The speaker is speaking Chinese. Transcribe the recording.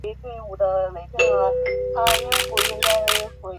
对耶和华敬畏的热诚与忠心。